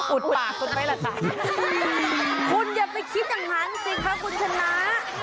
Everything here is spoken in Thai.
อุดปากคุณไปแล้วต่างคุณอย่าไปคิดอย่างนั้นสิค่ะคุณชนะ